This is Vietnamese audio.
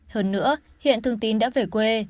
hơn nữa hiện thương tín đã về quê